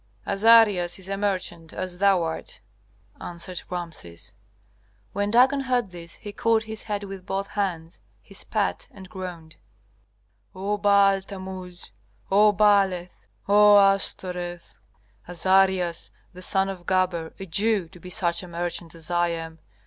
"Azarias is a merchant, as thou art," answered Rameses. When Dagon heard this, he caught his head with both hands, he spat and groaned, "O Baal Tammuz! O Baaleth! O Astoreth! Azarias, the son of Gaber, a Jew, to be such a merchant as I am.